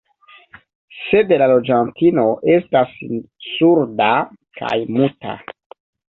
Sed la loĝantino estas surda kaj muta.